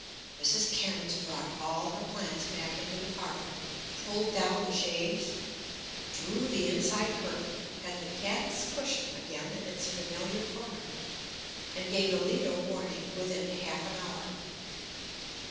Mrs. Cairnes brought all her plants back into the parlor, pulled down the shades, drew the inside curtain, had the cat's cushion again in its familiar corner, and gave Allida warning, within half an hour.